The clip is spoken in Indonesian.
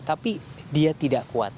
tapi dia tidak kuat